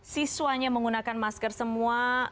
siswanya menggunakan masker semua